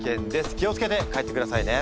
気を付けて帰ってくださいね。